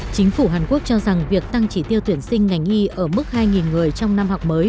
chính phủ hàn quốc cho rằng việc tăng chỉ tiêu tuyển sinh ngành y ở mức hai người trong năm học mới